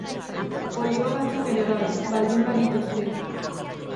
Oliba batzuk ere bai, baldin balituzte.